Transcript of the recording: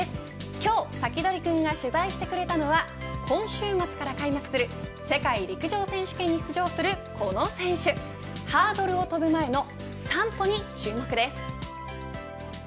今日、サキドリくんが取材してくれたのは今週末から開幕する世界陸上選手権に出場するこの選手ハードルを飛ぶ前の３歩に注目です。